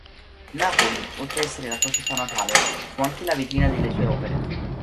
Napoli, oltre la sua città natale fu anche la vetrina delle sue opere.